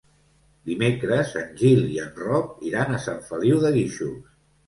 Dimecres en Gil i en Roc iran a Sant Feliu de Guíxols.